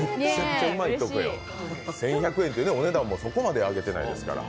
１１００円という、お値段もそこまで上げてないですから。